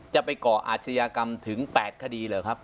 จะไปก่ออาชญากรรมถึง๘คดีเหรอครับ